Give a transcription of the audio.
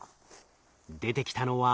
出てきたのは。